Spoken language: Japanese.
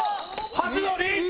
初のリーチ！